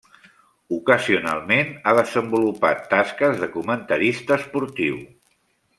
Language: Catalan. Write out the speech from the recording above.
Ocasionalment, ha desenvolupat tasques de comentarista esportiu.